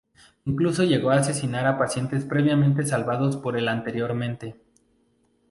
Incluso llegó a asesinar a pacientes previamente salvados por el anteriormente.